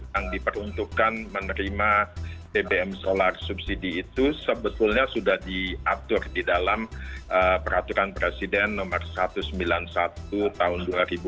yang diperuntukkan menerima bbm solar subsidi itu sebetulnya sudah diatur di dalam peraturan presiden nomor satu ratus sembilan puluh satu tahun dua ribu dua puluh